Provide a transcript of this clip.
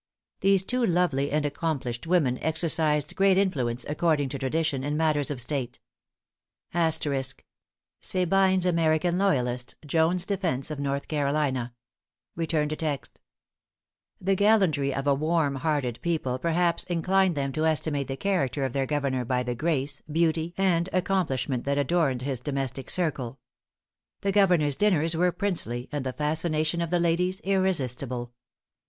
These two lovely and accomplished women exercised great influence, according to tradition, in matters of state. * The gallantry of a warm hearted people perhaps inclined them to estimate the character of their governor by the grace, beauty and accomplishment that adorned his domestic circle. The governor's dinners were princely, and the fascination of the ladies irresistible.